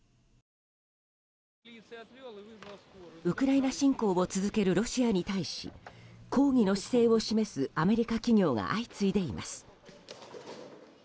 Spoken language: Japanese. ウクライナ侵攻を続けるロシアに対し抗議の姿勢を示すアメリカ企業が相次いでいます。